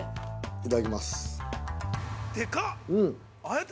いただきます。